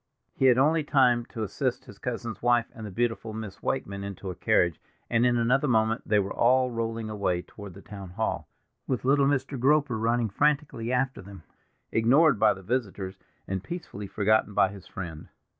He had only time to assist his cousin's wife and the beautiful Miss Wakeman into a carriage, and in another moment they were all rolling away toward the town hall, with little Mr. Groper running frantically after them, ignored by the visitors, and peacefully forgotten by his friend.